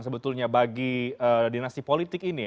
sebetulnya bagi dinasti politik ini